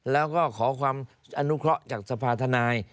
แล้วก็ขอความอนุเคราะห์จากสภาธนาย